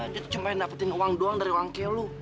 dia tuh cuma ingin dapetin uang doang dari uang kelo